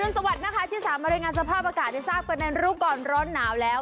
สวัสดีนะคะที่สามารถรายงานสภาพอากาศให้ทราบกันในรู้ก่อนร้อนหนาวแล้ว